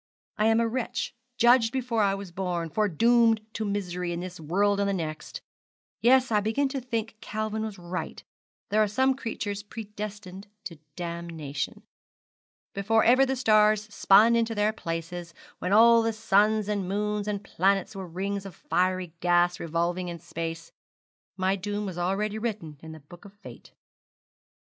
I am a wretch, judged before I was born, foredoomed to misery in this world and the next. Yes, I begin to think Calvin was right there are some creatures predestined to damnation. Before ever the stars spun into their places, when all the suns and moons and planets were rings of fiery gas revolving in space, my doom was already written in the book of fate.'